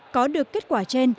có được kết quả trên